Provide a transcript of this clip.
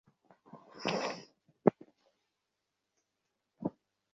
এর উপরেও আবার কৃতজ্ঞতা দাবি করা!